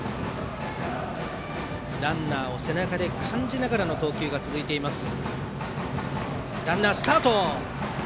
ランナーを背中で感じながらの投球が続いています。